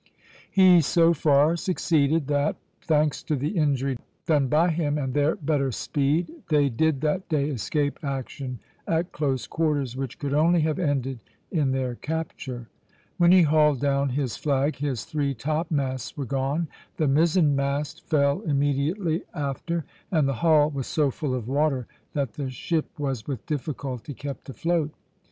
He so far succeeded that thanks to the injury done by him and their better speed they did that day escape action at close quarters, which could only have ended in their capture. When he hauled down his flag, his three topmasts were gone, the mizzen mast fell immediately after, and the hull was so full of water that the ship was with difficulty kept afloat.